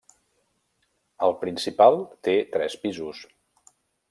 El principal té tres pisos.